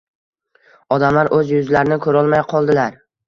Odamlar o‘z yuzlarini ko‘rolmay qoldilar.